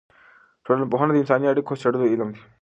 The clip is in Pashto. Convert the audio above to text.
ټولنپوهنه د انساني اړیکو د څېړلو علم دی.